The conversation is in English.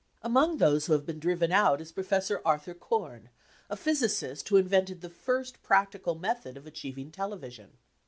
Among those who have been driven out is Professor Arthur Korn, a physicist who invented the first practical method of achiev ing television.